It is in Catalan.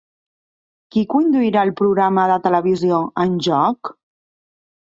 Qui conduirà el programa de televisió 'En Joc'?